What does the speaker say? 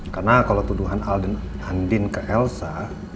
karena kalau tuduhan al dan andin ke elsa